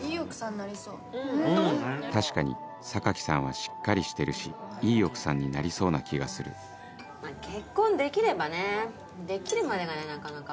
確かに酒木さんはしっかりしてるしいい奥さんになりそうな気がするまぁ結婚できればねできるまでがねなかなか。